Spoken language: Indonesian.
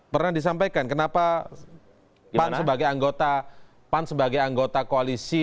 pernah disampaikan kenapa pan sebagai anggota koalisi